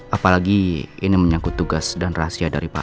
apalagi ini menyangkut tugas dan rahasia dari pak